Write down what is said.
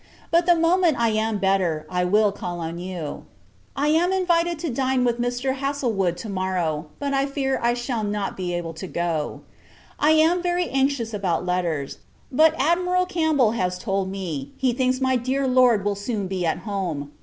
But, the moment I am better, I will call on you. I am invited to dine with Mr. Haslewood to morrow, but fear I shall not be able to go. I am very anxious about letters; but Admiral Campbell has told me, he thinks my dear Lord will soon be at home.